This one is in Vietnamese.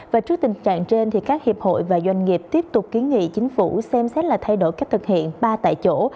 và trước tình trạng trên các hiệp hội và doanh nghiệp tiếp tục kiến nghị chính phủ xem xét là thay đổi cách thực hiện ba tại chỗ